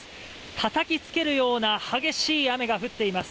たたきつけるような激しい雨が降っています。